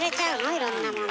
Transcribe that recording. いろんなものを。